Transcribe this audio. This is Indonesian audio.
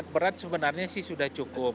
berat sebenarnya sih sudah cukup